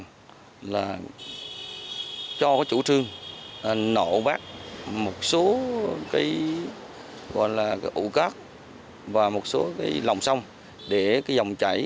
thứ hai là cho chủ trương nộ bác một số ụ cát và một số lòng sông để dòng chảy